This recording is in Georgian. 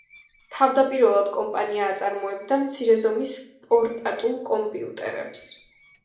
თავდაპირველად კომპანია აწარმოებდა მცირე ზომის პორტატულ კომპიუტერებს.